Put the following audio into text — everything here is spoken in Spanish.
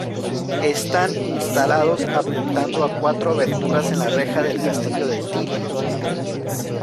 Están instalados apuntando a cuatro aberturas en la reja del castillo de Tilly.